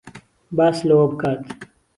باس لەوە بکات